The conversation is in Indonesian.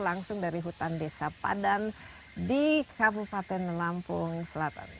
langsung dari hutan desa padan di kabupaten lampung selatan